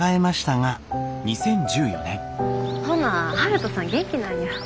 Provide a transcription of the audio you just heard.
ほな悠人さん元気なんや。